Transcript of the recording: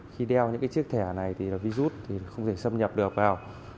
khi đeo những chiếc thẻ này thì virus không thể xâm nhập được vào